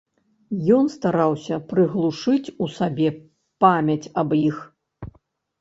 Ён стараўся прыглушыць у сабе памяць аб іх.